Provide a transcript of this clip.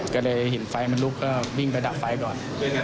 ก็เลยเห็นไฟมันลุกก็วิ่งไปดับไฟก่อน